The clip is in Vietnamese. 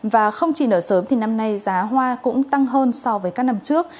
và không chỉ nở sớm thì năm nay giá hoa cũng tăng hơn so với các năm trước